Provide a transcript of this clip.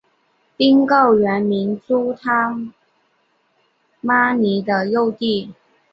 宾告原名朱他玛尼的幼弟。